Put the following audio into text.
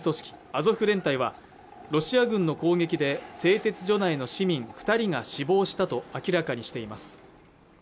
アゾフ連隊はロシア軍の攻撃で製鉄所内の市民二人が死亡したと明らかにしています